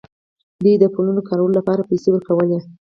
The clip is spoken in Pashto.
دوی د پلونو کارولو لپاره پیسې ورکولې.